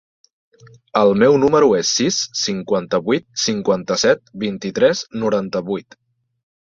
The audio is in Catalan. El meu número es el sis, cinquanta-vuit, cinquanta-set, vint-i-tres, noranta-vuit.